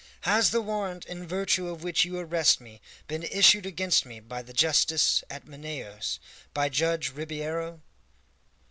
"Has the warrant in virtue of which you arrest me been issued against me by the justice at Manaos by Judge Ribeiro?"